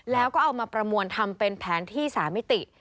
แล้วก็เอามาประมวลทำเป็นแผนที่๓มิติ